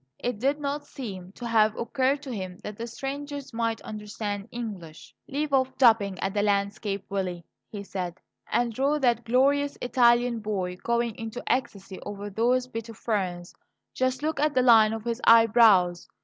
It did not seem to have occurred to him that the strangers might understand English. "Leave off daubing at the landscape, Willie," he said; "and draw that glorious Italian boy going into ecstasies over those bits of ferns. Just look at the line of his eyebrows!